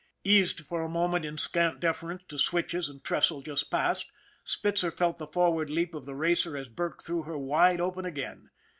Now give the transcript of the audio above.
Eased for a moment in scant deference to switches and trestle just passed, Spitzer felt the forward leap of the racer as Burke threw her wide open again.